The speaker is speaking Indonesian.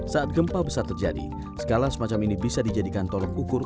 saat gempa besar terjadi skala semacam ini bisa dijadikan tolok ukur